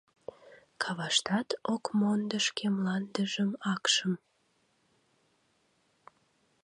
Каваштат ок мондо шке мландыжым акшым